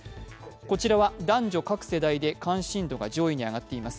こちらは男女各世代で関心度が上位に上がっています。